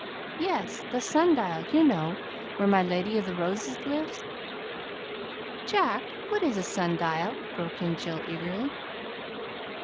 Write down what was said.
"Yes, the sundial, you know, where my Lady of the Roses lives." "Jack, what is a sundial?" broke in Jill eagerly.